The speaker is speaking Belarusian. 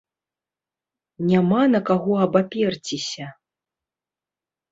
Няма на каго абаперціся!